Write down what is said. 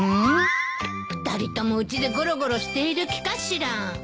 ２人ともうちでごろごろしている気かしら。